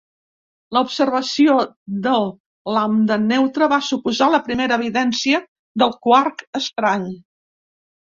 L'observació del lambda neutre va suposar la primera evidència del quark estrany